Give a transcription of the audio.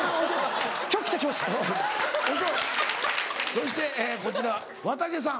そしてこちらわたげさん。